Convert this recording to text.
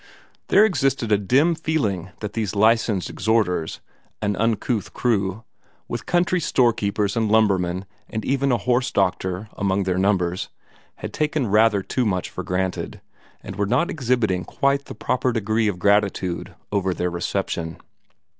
There existed a dim feeling that these Licensed Exhorters an uncouth crew, with country store keepers and lumbermen and even a horse doctor among their number had taken rather too much for granted, and were not exhibiting quite the proper degree of gratitude over their reception.